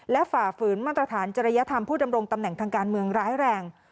และฝ่าฝืนมาตรฐานจริยธรรมผู้ดำรงตำแหน่งทางการเมืองร้ายแรง